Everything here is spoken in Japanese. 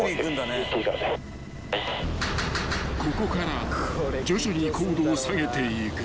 ［ここから徐々に高度を下げていく］